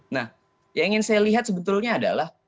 nah yang ingin saya lihat sebetulnya adalah